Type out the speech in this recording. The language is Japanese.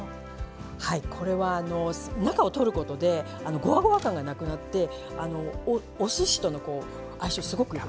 これは中を取ることでごわごわ感がなくなっておすしとの相性がすごくよく。